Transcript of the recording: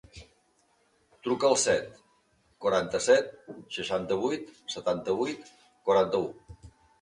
Truca al set, quaranta-set, seixanta-vuit, setanta-vuit, quaranta-u.